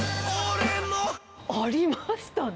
ありましたね！